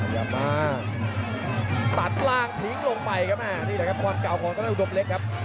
อย่ามาตัดล่างทิ้งลงไปครับนี่แหละครับความเก่าของทางด้านอุดมเล็กครับ